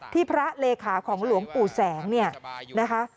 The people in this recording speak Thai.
พระเลขาของหลวงปู่แสงเนี่ยนะคะ